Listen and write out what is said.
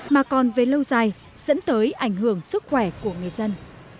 mà còn về lâu dài dẫn tới ảnh hưởng sức khỏe của người dân